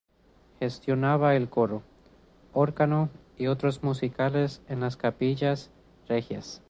Gestionaba el coro, órgano y otros usos musicales en las capillas regias.